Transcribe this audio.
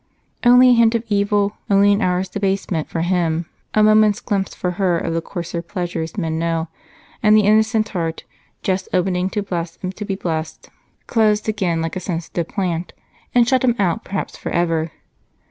Only a hint of evil, only an hour's debasement for him, a moment's glimpse for her of the coarser pleasures men know, and the innocent heart, just opening to bless and to be blessed, closed again like a sensitive plant and shut him out perhaps forever.